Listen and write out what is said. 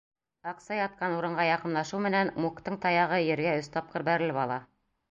Аҡса ятҡан урынға яҡынлашыу менән, Муктың таяғы ергә өс тапҡыр бәрелеп ала.